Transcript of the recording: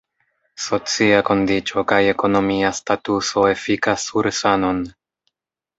Socia kondiĉo kaj ekonomia statuso efikas sur sanon.